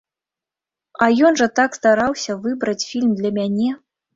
А ён жа так стараўся выбраць фільм для мяне!